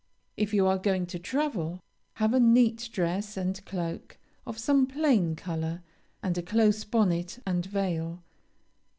If you are going to travel, have a neat dress and cloak of some plain color, and a close bonnet and veil.